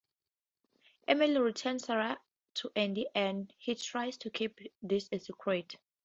Emily returns Sarah to Andy and he tries to keep this a secret.